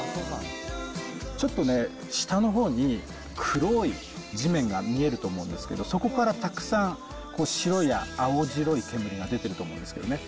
ちょっとね、下のほうに黒い地面が見えると思うんですけど、そこからたくさん白や青白い煙が出てると思うんですけどね。